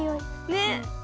ねっ。